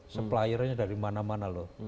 suppliernya dari mana mana loh